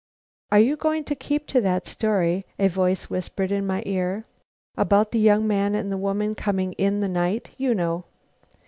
"Are you going to keep to that story?" a voice whispered in my ear. "About the young man and woman coming in the night, you know."